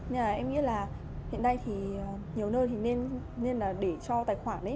nhưng mà em nghĩ là hiện nay thì nhiều nơi thì nên là để cho tài khoản ấy